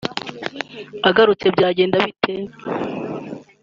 agarutse byagenda bite